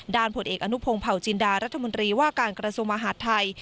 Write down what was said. ผลเอกอนุพงศ์เผาจินดารัฐมนตรีว่าการกระทรวงมหาดไทย